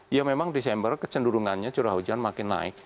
ya memang desember kecenderungannya curah hujan makin naik